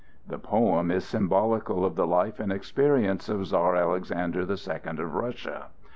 The poem is symbolical of the life and experience of Czar Alexander the Second of Russia.